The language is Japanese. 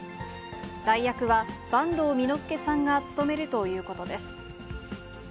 代役は、坂東巳之助さんが務めるということです。